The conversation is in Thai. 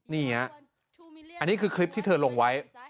นี่ฮะอันนี้คือคลิปที่เธอลงไว้